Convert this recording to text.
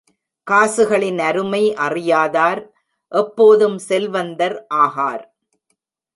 காசுகளின் அருமை அறியாதார், எப்போதும் செல்வந்தர் ஆகார்.